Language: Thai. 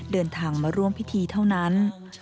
เดินทางมาร่วมพิธีเท่านั้น